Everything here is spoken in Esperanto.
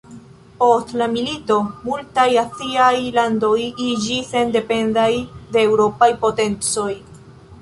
Post la milito, multaj Aziaj landoj iĝis sendependaj de Eŭropaj potencoj.